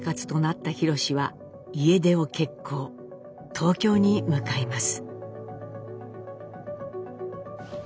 東京に向かいます。